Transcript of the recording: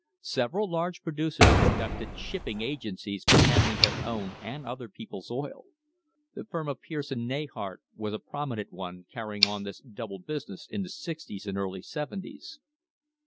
Several large producers conducted shipping agencies for handling their own and other people's oil. The firm of Pierce and Neyhart was a prominent one carrying on this double business in the sixties and early seventies.